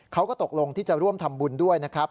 เขาก็ตกลงที่จะร่วมทำบุญด้วยนะครับ